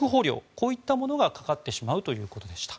こういったものがかかってしまうということでした。